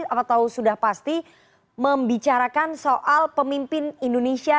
atau sudah pasti membicarakan soal pemimpin indonesia